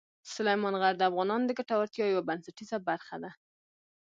سلیمان غر د افغانانو د ګټورتیا یوه بنسټیزه برخه ده.